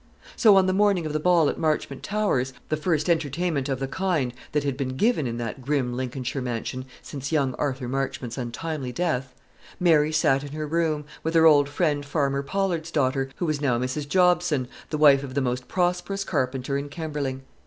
So, on the morning of the ball at Marchmont Towers, the first entertainment of the kind that had been given in that grim Lincolnshire mansion since young Arthur Marchmont's untimely death, Mary sat in her room, with her old friend Farmer Pollard's daughter, who was now Mrs. Jobson, the wife of the most prosperous carpenter in Kemberling.